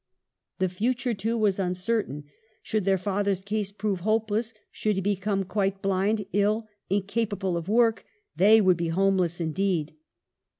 The future, TROUBLES. 20 1 too, was uncertain ; should their father's case prove hopeless, should he become quite blind, ill, incapable of work, they would be homeless in deed.